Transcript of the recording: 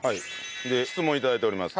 質問頂いております。